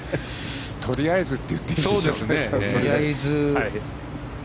とりあえずって言っていいでしょうね。